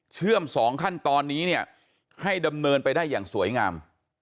เชื่อม๒ขั้นตอนนี้เนี่ยให้ดำเนินไปได้อย่างสวยงาม